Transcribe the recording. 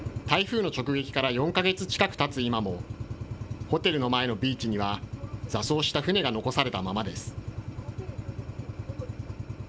台風の直撃から４か月近くたつ今も、ホテルの前のビーチには座礁した船が残されたままです。